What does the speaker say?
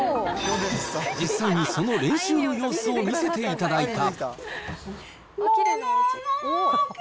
実際にその練習の様子を見せていただいた。